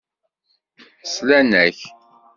Slan-ak.